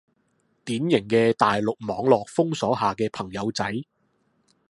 典型嘅大陸網絡封鎖下嘅朋友仔